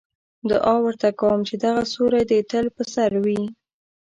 دعا ورته کوم چې دغه سیوری دې تل په سر وي.